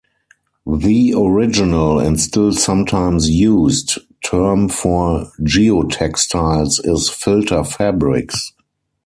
The original, and still sometimes used, term for geotextiles is "filter fabrics".